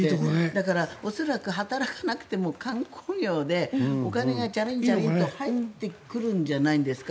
だから恐らく働かなくても観光業でお金がチャリンチャリンと入ってくるんじゃないんですか。